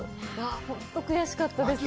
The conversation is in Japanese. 本当に悔しかったですね。